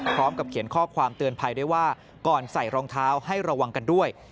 พร้อมกับเขียนข้อความเตือนภัยด้วยว่าก่อนใส่รองเท้าให้ระวังกันด้วย